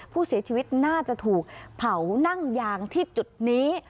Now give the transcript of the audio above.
ผู้เสียชีวิตน่าจะถูกเผานั่งยางที่จุดนี้